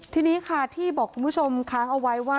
ทีนี้ค่ะที่บอกคุณผู้ชมค้างเอาไว้ว่า